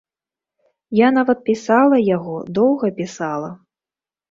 Я нават пісала яго, доўга пісала.